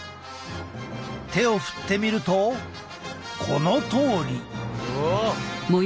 手を振ってみるとこのとおり！